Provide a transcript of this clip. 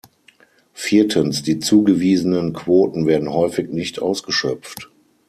Viertens, die zugewiesenen Quoten werden häufig nicht ausgeschöpft.